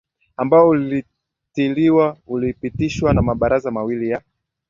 ambao ulitiliwa ulipitishwa na mabaraza mawili ya